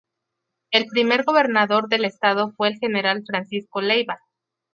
El primer gobernador del estado fue el general Francisco Leyva.